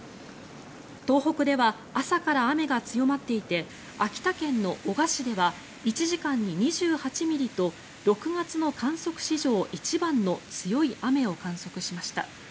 東北では朝から雨が強まっていて秋田県の男鹿市では１時間に２８ミリと６月の観測史上一番の強い雨を観測しました。